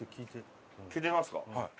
聞いてみますか。